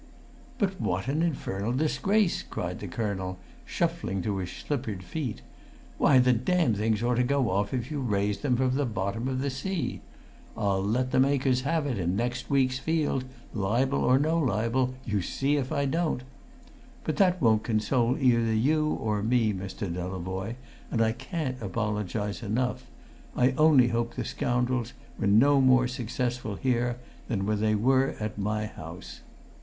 "But what an infernal disgrace!" cried the colonel, shuffling to his slippered feet. "Why, the damned things ought to go off if you raised them from the bottom of the sea! I'll let the makers have it in next week's Field, libel or no libel, you see if I don't! But that won't console either you or me, Mr. Delavoye, and I can't apologise enough. I only hope the scoundrels were no more successful here than they were at my house?"